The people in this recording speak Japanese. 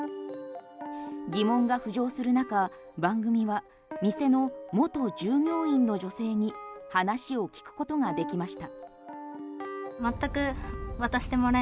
疑問が浮上する中番組は店の元従業員の女性に話を聞くことができました。